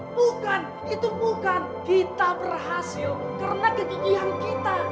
bukan itu bukan kita berhasil karena kegigihan kita